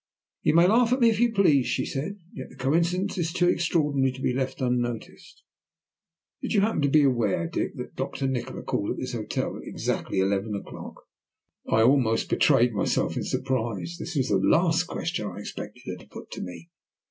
"You may laugh at me if you please," she said, "yet the coincidence is too extraordinary to be left unnoticed. Do you happen to be aware, Dick, that Doctor Nikola called at this hotel at exactly eleven o'clock?" I almost betrayed myself in my surprise. This was the last question I expected her to put to me.